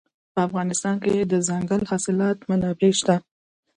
په افغانستان کې د دځنګل حاصلات منابع شته.